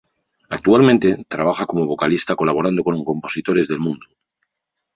Actualmente trabaja como vocalista colaborando con compositores del mundo.